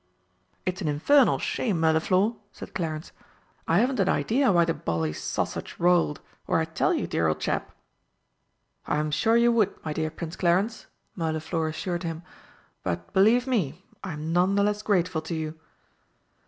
"It's an infernal shame, Mirliflor!" said Clarence. "I haven't an idea why the bally sausage rolled, or I'd tell you, dear old chap!" "I am sure you would, my dear Prince Clarence!" Mirliflor assured him; "but, believe me, I am none the less grateful to you."